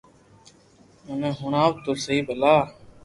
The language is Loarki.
مني ھڻاو تو سھي ڀلا